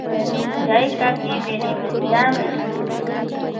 Chayka kimirimunllami